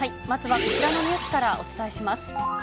まずはこちらのニュースからお伝えします。